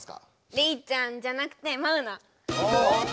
レイちゃんじゃなくてマウナ。